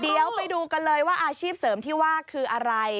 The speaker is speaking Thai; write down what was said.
เดี๋ยวไปดูกันเลยว่าอาชีพเสริมที่ว่าคืออะไร